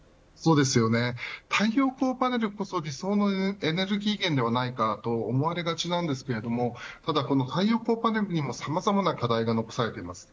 太陽光パネルこそ理想のエネルギー源ではないかと思われがちですがただこの太陽光パネルにもさまざまな課題が残されています。